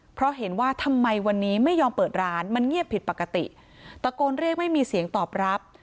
เพราะเห็นว่าทำไมวันนี้ไม่ยอมเปิดร้านมันเงียบผิดปกติตะโกนเรียกไม่มีเสียงตอบรับ